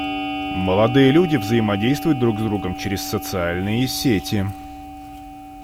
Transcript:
Молодые люди взаимодействуют друг с другом через социальные сети.